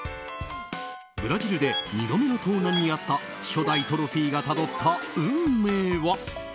ブラジルで２度目の盗難に遭った初代トロフィーがたどった運命は。